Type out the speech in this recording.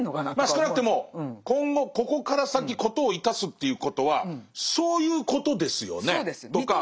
まあ少なくても今後ここから先事を致すということはそういうことですよねとか。